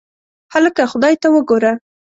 هکله خدای ته وګوره.